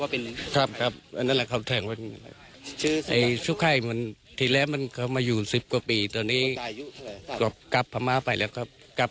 วันน่าจะเป็นวันศุกร์นะครับกลวนวันแม่ครับ